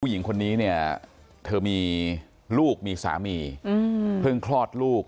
หญิงคนนี้เนี่ยเธอมีลูกมีสามีเพิ่งคลอดลูก